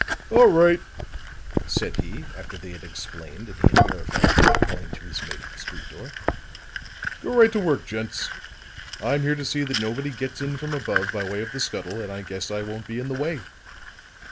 "All right," said he, after they had explained and he had verified it by calling to his mate at the street door. "Go right to work, gents. I'm here to see that nobody gets in from above by way of the scuttle, and I guess I won't be in the way."